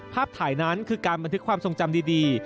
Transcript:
ภาพถ่ายนั้นคือการบันทึกความทรงจำดี